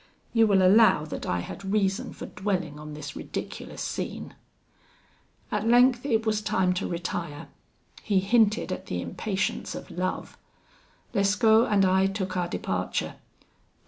You will allow that I had reason for dwelling on this ridiculous scene. "At length it was time to retire. He hinted at the impatience of love. Lescaut and I took our departure.